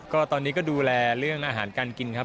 ก็ตอนนี้ก็ดูแลเรื่องอาหารการกินครับ